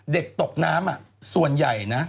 เด็กตกน้ำส่วนใหญ่นะ